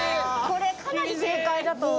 これかなり正解だと。